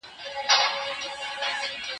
زه به سبا د سبا لپاره د درسونو يادوم،